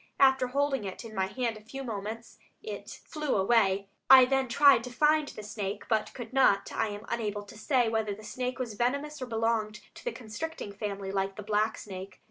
After holding it in my hand a few moments it flew away. I then tried to find the snake, but could not. I am unable to say whether the snake was venomous or belonged to the constricting family, like the black snake.